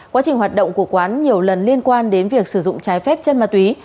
quá trình hoạt động của quán nhiều lần liên quan đến việc sử dụng trái phép chân ma túy